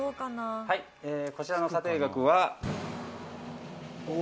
こちらの査定額は。